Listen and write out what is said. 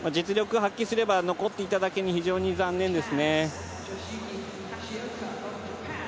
実力を発揮すれば残っていただけに非常に残念です。